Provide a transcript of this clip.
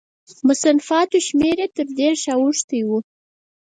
د مصنفاتو شمېر یې تر دېرشو اوښتی و.